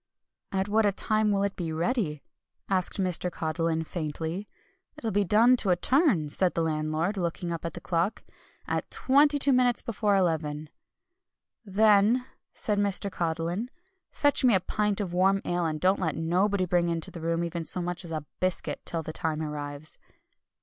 "'At what time will it be ready?' asked Mr. Codlin faintly. 'It'll be done to a turn,' said the landlord, looking up at the clock, 'at twenty two minutes before eleven.' "'Then,' said Mr. Codlin, 'fetch me a pint of warm ale, and don't let nobody bring into the room even so much as a biscuit till the time arrives.'"